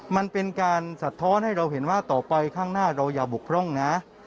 มันเป็นการสะท้อนให้เราเห็นว่าต่อไปข้างหน้าเราอย่าบกพร่องนะ